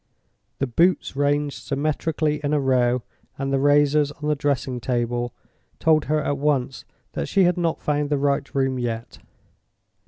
The boots ranged symmetrically in a row, and the razors on the dressing table, told her at once that she had not found the right room yet.